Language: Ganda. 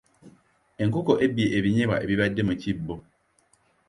Enkoko ebbye ebinyeebwa ebibadde mu kibbo.